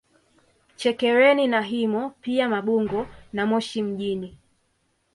Chekereni na Himo pia Mabungo na Moshi mjini